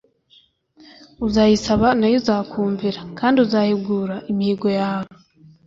uzayisaba na yo izakumvira, kandi uzahigura imihigo yawe